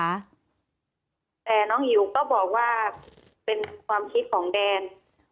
แต่น้องอิ๋วก็บอกว่าเป็นความคิดของแดน